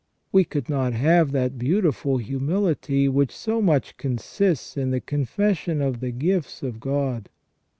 We could not have that beautiful humility which so much consists in the confession of the gifts of God.